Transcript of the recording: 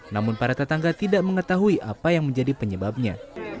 namun para tetangga tidak mengetahui apa yang menjadi penyebabnya